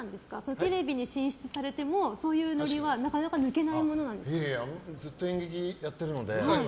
テレビに進出されてもそういうノリはずっと演劇をやってるので。